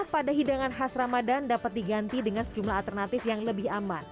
pada hidangan khas ramadan dapat diganti dengan sejumlah alternatif yang lebih aman